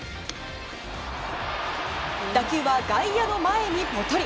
打球は外野の前にポトリ。